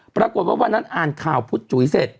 ปรากฏว่าวันนั้นอ่านข่าวพุทธจุ๋ยเสร็จ